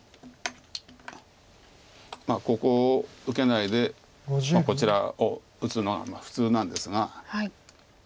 ここを受けないでこちらを打つのが普通なんですが。